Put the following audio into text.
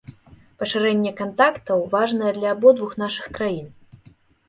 Пашырэнне кантактаў важнае для абодвух нашых краін.